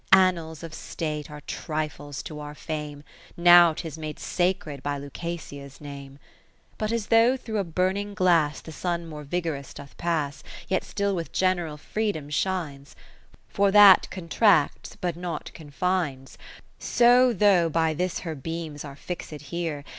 Annals of State are trifles to our fame, Now 'tis made sacred by Lucasia's name. But as though through a burning glass The Sun more vigorous doth pass, Yet still with general freedom shines ; For that contracts, but not con fines : 10 So though by this her beams are fixed here.